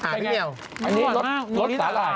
อันนี้รสสาหร่าย